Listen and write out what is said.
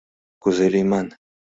Кузе лийман?